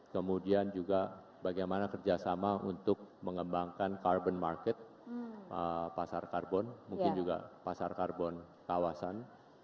kemudian juga bagaimana kerjasama untuk mengembangkan carbon market pasar karbon mungkin juga pasar karbon kawasan